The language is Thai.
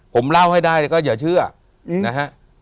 ผมเล่าให้ได้แล้วก็อย่าเชื่อนะฮะ